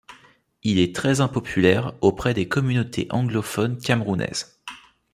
Il est très impopulaire auprès des communautés anglophones camerounaises.